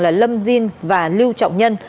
là lâm dinh và lưu trọng nhân